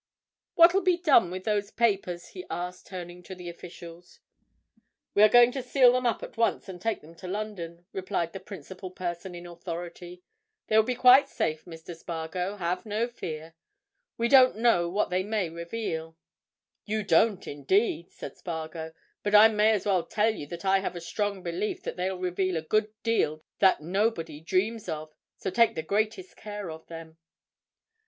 What'll be done with those papers?" he asked, turning to the officials. "We are going to seal them up at once, and take them to London," replied the principal person in authority. "They will be quite safe, Mr. Spargo; have no fear. We don't know what they may reveal." "You don't, indeed!" said Spargo. "But I may as well tell you that I have a strong belief that they'll reveal a good deal that nobody dreams of, so take the greatest care of them."